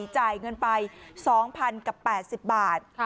จ่ายเงินไป๒๐๘๐บาท